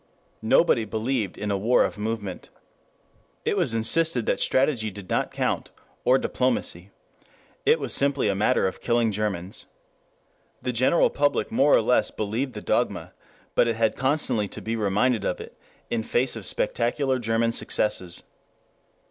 Nobody believed in a war of movement. It was insisted that strategy did not count, or diplomacy. It was simply a matter of killing Germans. The general public more or less believed the dogma, but it had constantly to be reminded of it in face of spectacular German successes.